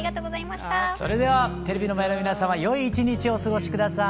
それではテレビの前の皆様よい一日をお過ごし下さい。